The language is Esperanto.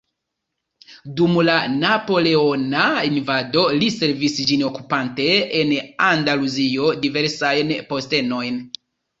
Dum la napoleona invado li servis ĝin okupante en Andaluzio diversajn postenojn.